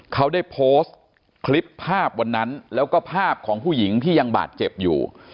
เขาได้โพสต์คลิปภาพวันนั้นแล้วก็ภาพของผู้หญิงที่ยังบาดเจ็บอยู่